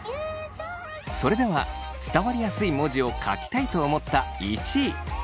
それでは伝わりやすい文字を書きたいと思った１位。